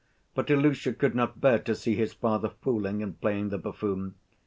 But Ilusha could not bear to see his father fooling and playing the buffoon.